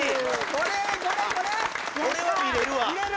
これは見れるわ見れる！